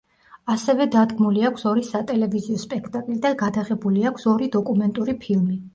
ასევე დადგმული აქვს ორი სატელევიზიო სპექტაკლი და გადაღებული აქვს ორი დოკუმენტური ფილმი.